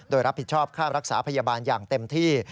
โดยรับผิดชอบค่ารักษาพยาบาลอย่างเต็มที่